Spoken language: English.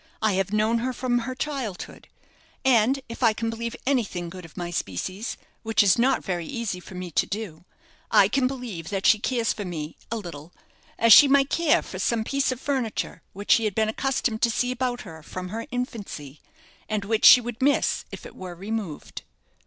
I have known her from her childhood and if I can believe anything good of my species, which is not very easy for me to do, I can believe that she cares for me a little as she might care for some piece of furniture which she had been accustomed to see about her from her infancy, and which she would miss if it were removed."